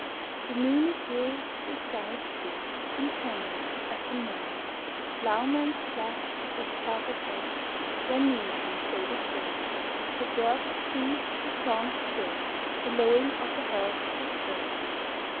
The noon is here, the sky is clear And tender as the morn; The ploughman's blest with perfect rest, Where noontime shade is born. The bird has ceased his song to trill; The lowing of the herd is still.